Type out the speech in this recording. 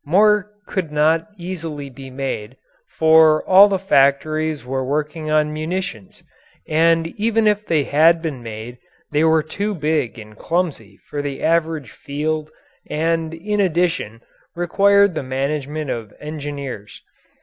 More could not easily be made, for all the factories were working on munitions, and even if they had been made they were too big and clumsy for the average field and in addition required the management of engineers.